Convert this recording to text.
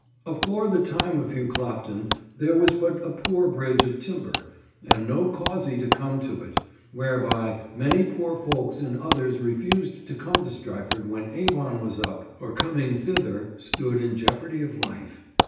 Afor the tyme of Hugh Clopton there was but a poore Bridge of Tymbre, and no Causey to come to it; whereby many poore Folkes and others refused to come to Stratford when Avon was up, or comminge thither, stood in jeopardye of Lyfe.